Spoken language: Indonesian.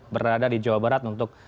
berada di jawa barat untuk